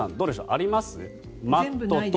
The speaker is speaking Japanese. あります？